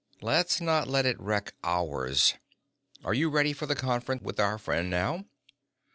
Let's not let it wreck ours. Are you ready for the conference with our friend now?"